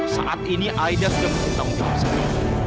saat ini aida sudah mencintai uang saya